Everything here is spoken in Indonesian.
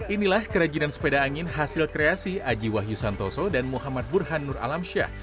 inilah kerajinan sepeda angin hasil kreasi aji wahyu santoso dan muhammad burhan nur alamsyah